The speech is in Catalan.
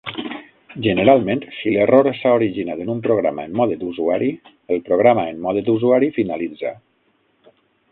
Generalment, si l'error s'ha originat en un programa en mode d'usuari, el programa en mode d'usuari finalitza.